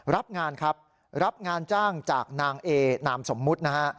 รับงานครับรับงานจ้างจากนเอสมุทรนะฮะ